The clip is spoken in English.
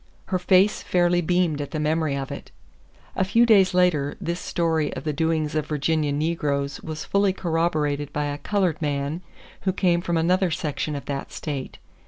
Her face fairly beamed at the memory of it. A few days later, this story of the doings of Virginia negroes was fully corroborated by a colored man who came from another section of that state.